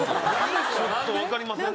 ちょっとわかりませんね。